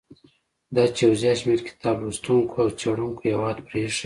دا چې یو زیات شمیر کتاب لوستونکو او څېړونکو هیواد پریښی.